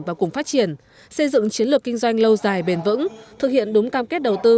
và cùng phát triển xây dựng chiến lược kinh doanh lâu dài bền vững thực hiện đúng cam kết đầu tư